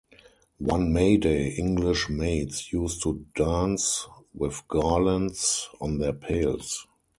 On May Day, English maids used to dance with garlands on their pails.